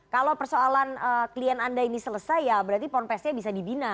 kalau persoalan klien anda ini selesai ya berarti ponpesnya bisa dibina